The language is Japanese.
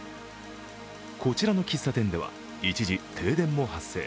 こちらの喫茶店では一時停電も発生。